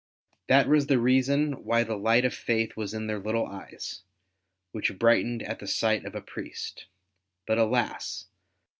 That was the reason why the light of Faith was in their little eyes, which brightened at the sight ol a Priest ; but alas